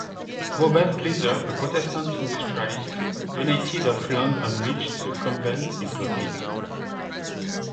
Robert Leather, a Protestant industrialist, donated of land on which the convent is located.